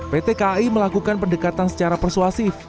pt kai melakukan pendekatan secara persuasif